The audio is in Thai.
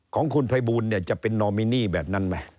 ของคุณไพบูลจะเป็นนอมินี่แบบนั้นไหม